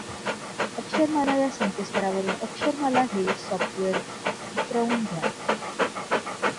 अक्षरमाला या संकेतस्थळावरून अक्षरमाला हे सॉफ्ट्वेअर उतरवून घ्या.